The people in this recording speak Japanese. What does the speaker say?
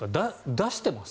出してます？